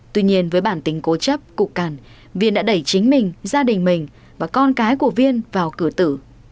tuy nhiên với bản tính cố chấp cục cằn viên đã đẩy chính mình gia đình mình và con cái của viên vào cửa tử